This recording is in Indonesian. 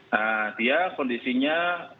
nah dia kondisinya